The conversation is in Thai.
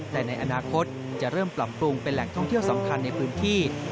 แต่ในอนาคตจะเริ่มปรับปรุงเป็นแหล่งท่องเที่ยวสำคัญในพื้นที่